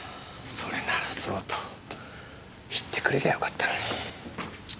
それならそうと言ってくれりゃよかったのに。